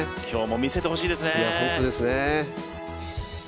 今日も見せてほしいですね。